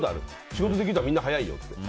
仕事できる人はみんな早いよって。